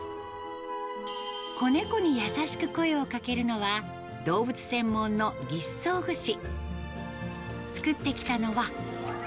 子猫に優しく声をかけるのは、動物専門の義肢装具士。